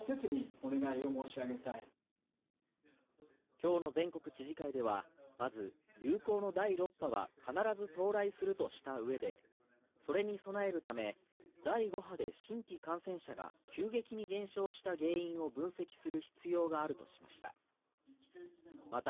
今日の全国知事会ではまず流行の第６波は必ず到来するとしたうえでそれに備えるため第５波で新規感染者が急激に減少した原因を分析する必要があるとしました。